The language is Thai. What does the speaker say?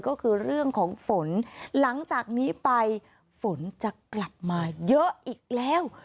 ก็คือเรื่องของฝนหลังจากนี้ไปฝนจะกลับมาเยอะอีกแล้ว